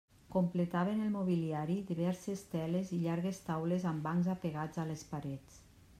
Completaven el mobiliari diverses teles i llargues taules amb bancs apegats a les parets.